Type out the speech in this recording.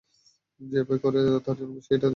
যে ভয় করে তার জন্য অবশ্যই এটাতে শিক্ষা রয়েছে।